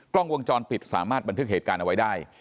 กล้องวงจรปิดสามารถบันทึกเหตุการณ์เอาไว้ได้